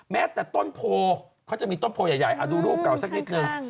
แม้แต่ต้นโพเขาจะมีต้นโพใหญ่ดูรูปเก่าสักนิดนึง